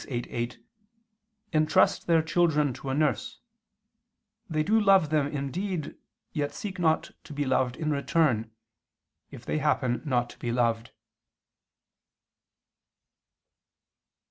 viii, 8) "entrust their children to a nurse; they do love them indeed, yet seek not to be loved in return, if they happen not to be loved."